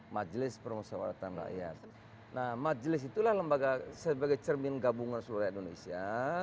majlis perusahaan rakyat nah majlis itulah lembaga sebagai cermin gabungan seluruh rakyat indonesia